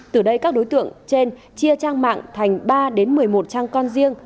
từ đây các đối tượng trên chia trang mạng thành ba một mươi một trang con riêng